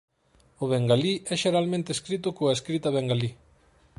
O bengalí é xeralmente escrito coa escrita bengalí.